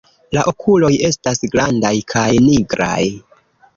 La okuloj estas grandaj kaj nigraj.